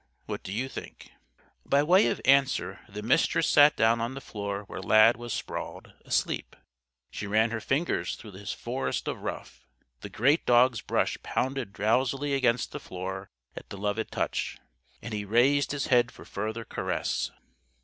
What do you think?" By way of answer, the Mistress sat down on the floor where Lad was sprawled, asleep. She ran her fingers through his forest of ruff. The great dog's brush pounded drowsily against the floor at the loved touch; and he raised his head for further caress.